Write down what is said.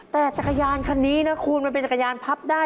แต่จักรยานคันนี้นะคุณมันเป็นจักรยานพับได้